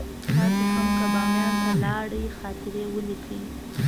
تاسې هم که بامیان ته لاړئ خاطرې ولیکئ.